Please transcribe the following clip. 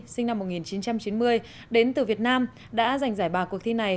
sinh năm một nghìn chín trăm chín mươi đến từ việt nam đã giành giải ba cuộc thi này